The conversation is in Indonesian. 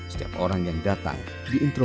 setiap orang yang datang diintrol